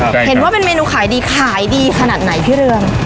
เห็นว่าเป็นเมนูขายดีขายดีขนาดไหนพี่เรือง